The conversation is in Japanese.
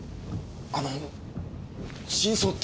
あの真相って。